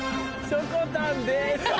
「しょこたんです」。